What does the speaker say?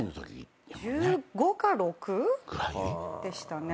１５か１６？でしたね。